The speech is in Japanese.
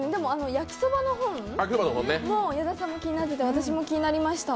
焼きそばの本、矢田さんも気になっていて、私も気になりました。